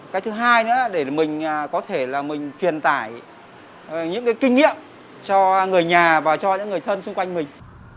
cái thứ hai nữa là để mình có thể là mình truyền tải những cái kinh nghiệm cho người nhà và cho những người thân xung quanh mình